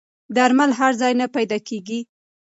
درمل هر ځای نه پیدا کېږي.